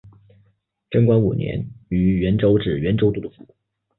贞观五年于原州置原州都督府。